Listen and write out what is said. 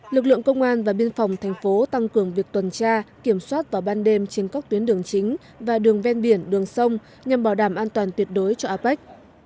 lực lượng công an và biên phòng thành phố tăng cường việc tuần tra kiểm soát vào ban đêm trên các tuyến đường chính và đường ven biển đường sông nhằm bảo đảm an toàn tuyệt đối cho apec